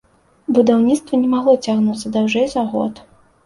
Будаўніцтва не магло цягнуцца даўжэй за год.